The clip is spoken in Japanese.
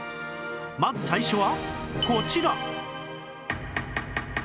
まず最初はこちら